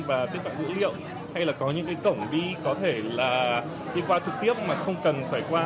và tiếp cận dữ liệu hay là có những cái cổng đi có thể là đi qua trực tiếp mà không cần phải qua